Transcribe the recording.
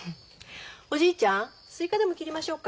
おじいちゃんスイカでも切りましょうか？